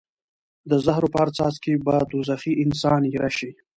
د زهرو په هر څاڅکي به دوزخي انسان ایره شي.